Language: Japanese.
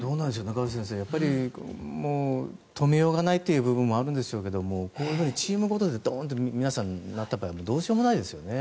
中林先生、止めようがない部分もあるでしょうけどこういうふうにチームごとでどんと皆さんがなった場合はどうしようもないですね。